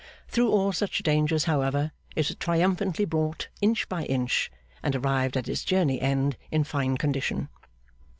Through all such dangers, however, it was triumphantly brought, inch by inch, and arrived at its journey's end in fine condition.